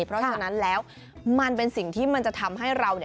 เพราะฉะนั้นแล้วมันเป็นสิ่งที่มันจะทำให้เรา